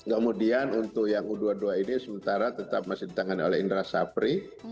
kemudian untuk yang u dua puluh dua ini sementara tetap masih ditangani oleh indra sapri